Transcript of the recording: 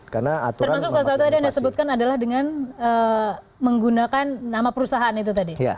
termasuk salah satu tadi anda sebutkan adalah dengan menggunakan nama perusahaan itu tadi